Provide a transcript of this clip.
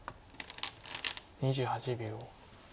２８秒。